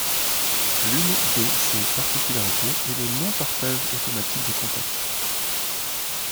L'une des ses particularités est le non partages automatique des contactes.